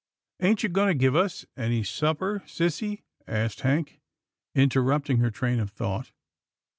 " Ain't you going to give us any supper, sissy? " asked Hank, interrupting her train of thought.